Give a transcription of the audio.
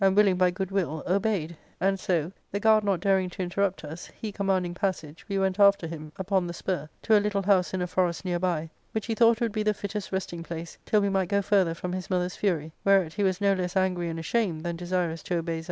willing by good will, obeyed ; and so, the guard not daring to interrupt us, he commanding passage, we went after him, upon the spur, to a little house in a forest near by, which be thought would be the fittest resting place, till we might go further from his mother's fury ; whereat he was no less angry and ashamed than desirous to obey Zelmane.